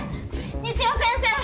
西尾先生！